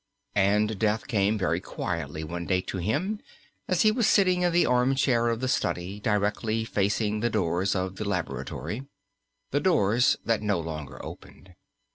And death came very quietly one day to him, as he was sitting in the arm chair of the study, directly facing the doors of the laboratory the doors that no longer opened.